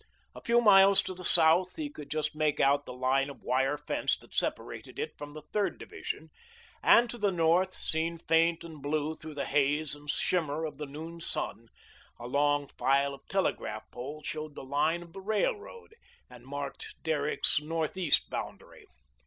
A few miles to the south he could just make out the line of wire fence that separated it from the third division; and to the north, seen faint and blue through the haze and shimmer of the noon sun, a long file of telegraph poles showed the line of the railroad and marked Derrick's northeast boundary.